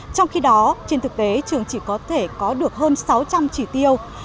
trong khi đó trên thực tế trường chỉ có thể có được hơn sáu trăm linh chỉ tiêu